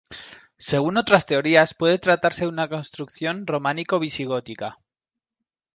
Según otras teorías, puede tratarse de una construcción románico-visigótica.